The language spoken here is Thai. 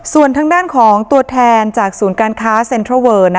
ส่วนทางด้านของตัวแทนจากศูนย์การค้าเซ็นทรัลเวอร์